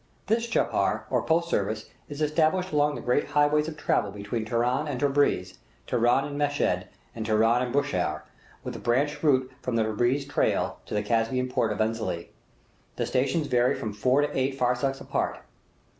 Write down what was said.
This chapar, or post service, is established along the great highways of travel between Teheran and Tabreez, Teheran and Meshed, and Teheran and Bushire, with a branch route from the Tabreez trail to the Caspian port of Enzeli; the stations vary from four to eight farsakhs apart.